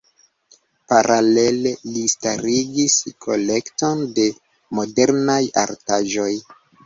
Paralele li startigis kolekton de modernaj artaĵoj.